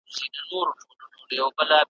هم د پسونو هم د هوسیانو `